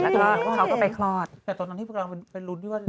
แล้วก็เขาก็ไปคลอดแต่ตอนนั้นที่กำลังไปลุ้นที่ว่า